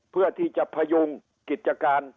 เพื่อที่จะพยุงกิจการ